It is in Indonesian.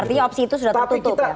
artinya opsi itu sudah tertutup